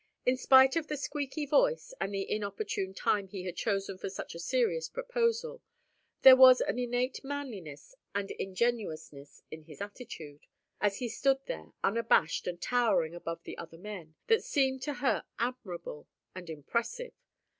In spite of the squeaky voice and the inopportune time he had chosen for such a serious proposal, there was an innate manliness and ingenuousness in his attitude, as he stood there unabashed and towering above the other men, that seemed to her admirable and impressive.